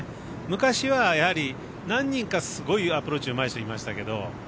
昔はやはり何人かすごいアプローチがうまい人がいましたけど。